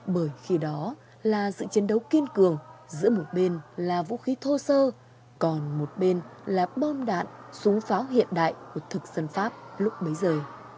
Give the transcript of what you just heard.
bởi khi đó là sự chiến đấu kiên cường giữa một bên là vũ khí thô sơ còn một bên là bom đạn súng pháo hiện đại của thực dân pháp lúc bấy giờ